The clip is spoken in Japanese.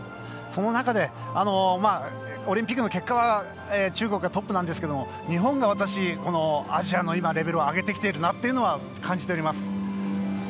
その中で、オリンピックの結果は中国がトップなんですけど日本がアジアのレベルを上げてきているなというのは感じています。